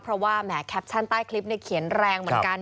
เพราะว่าแหมแคปชั่นใต้คลิปเขียนแรงเหมือนกัน